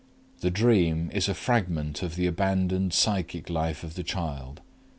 _The dream is a fragment of the abandoned psychic life of the child.